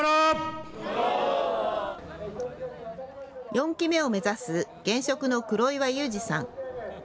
４期目を目指す現職の黒岩祐治さん。